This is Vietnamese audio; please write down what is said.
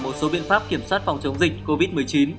một số biện pháp kiểm soát phòng chống dịch covid một mươi chín